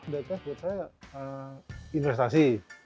diecast buat saya investasi